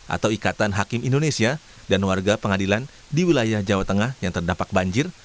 atau ikatan hakim indonesia dan warga pengadilan di wilayah jawa tengah yang terdampak banjir